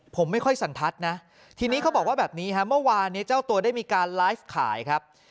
ผมไม่ค่อยสันทัศน์นะทีนี้เขาบอกว่าแบบนี้ฮะเมื่อวานนี้เจ้าตัวได้มีการไลฟ์ขายครับ